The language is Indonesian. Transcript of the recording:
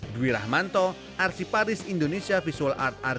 duirahmanto arsiparis indonesia visual art arkitektur